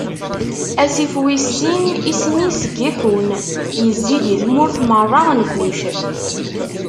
Asif wis sin isem-is Giḥun, izzi-d i tmurt meṛṛa n Kuc.